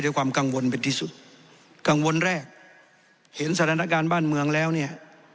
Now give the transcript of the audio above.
ความกังวลเป็นที่สุดกังวลแรกเห็นสถานการณ์บ้านเมืองแล้วเนี่ย